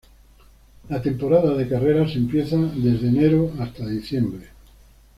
Una temporada de carreras empieza desde enero hasta diciembre.